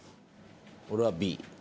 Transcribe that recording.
俺はＢ。